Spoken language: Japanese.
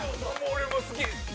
俺も好き！